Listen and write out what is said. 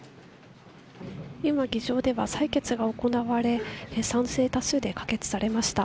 今、議場では採決が行われ賛成多数で可決されました。